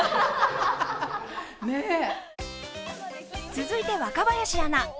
続いて若林アナ。